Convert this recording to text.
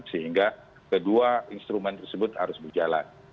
sehingga kedua instrumen tersebut harus berjalan